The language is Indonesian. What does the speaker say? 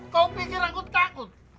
kau pikir aku takut